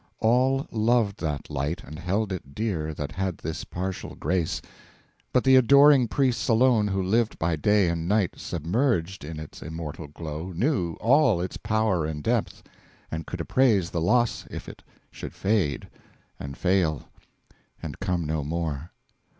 All loved that light and held it dear That had this partial grace; But the adoring priests alone who lived By day and night submerged in its immortal glow Knew all its power and depth, and could appraise the loss If it should fade and fail and come no more.